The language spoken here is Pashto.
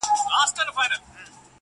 • ورځيني ليري گرځــم ليــري گــرځــــم.